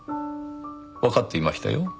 わかっていましたよ。